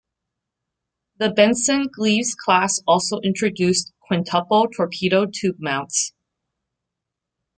The "Benson"-"Gleaves" class also introduced quintuple torpedo tube mounts.